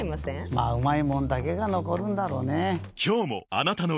まぁうまいもんだけが残るんだろうねぇ。